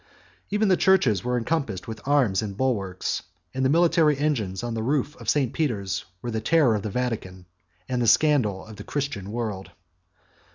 Even the churches were encompassed with arms and bulwarks, and the military engines on the roof of St. Peter's were the terror of the Vatican and the scandal of the Christian world.